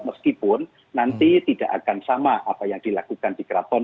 meskipun nanti tidak akan sama apa yang dilakukan di keraton